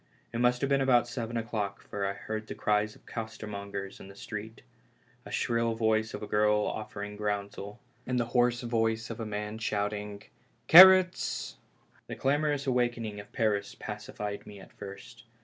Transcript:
It must have been about seven o'clock, for I heard the cries of costermongers in the street, the shrill voice of a girl offering groundsel, and the hoarse voice of a man shout ing " carrots !" The clamorous awakening of Paris pacified me at first.